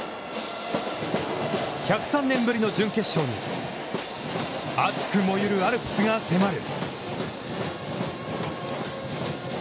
１０３年ぶりの準決勝に熱く燃ゆるアルプスが迫る。